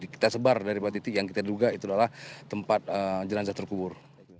kita sebar dari empat titik yang kita duga itu adalah tempat jenazah terkubur